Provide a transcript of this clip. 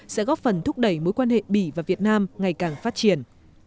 sẽ góp phần thúc đẩy mối quan hệ bỉ và việt nam ngày càng phát triển